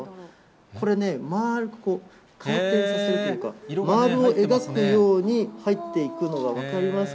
これね、まあるくこう回転させるというか、丸を描くように入っていくのが分かりますか？